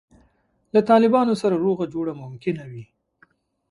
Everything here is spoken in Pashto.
له طالبانو سره روغه جوړه ممکنه وي.